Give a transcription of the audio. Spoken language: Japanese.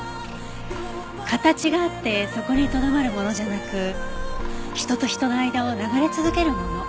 形があってそこにとどまるものじゃなく人と人の間を流れ続けるもの。